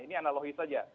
ini analogis saja